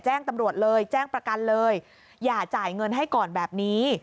แจ้งตำรวจเลยแจ้งประกันเลยอย่าจ่ายเงินให้ก่อนแบบนี้